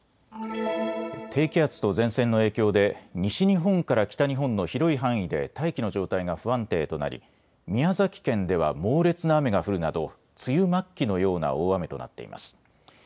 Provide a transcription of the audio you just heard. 低気圧と前線の影響で西日本から北日本の広い範囲で大気の状態が不安定となり、宮崎県では猛烈な雨が降るなど梅雨末期のような大雨となっています。